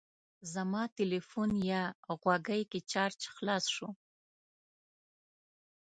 زما تلیفون یا غوږۍ کې چارج خلاص شو.